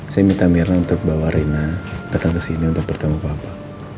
saya minta mirna untuk bawa rina datang kesini untuk bertemu papa